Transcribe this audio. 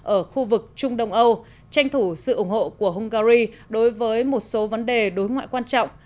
ở khu vực trung đông âu tranh thủ sự ủng hộ của hungary đối với một số vấn đề đối ngoại quan trọng